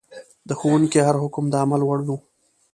د ښوونکي هر حکم د عمل وړ و.